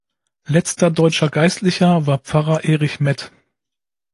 Letzter deutscher Geistlicher war Pfarrer "Erich Mett".